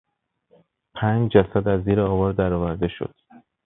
پنج جسد از زیر آوار درآورده شد.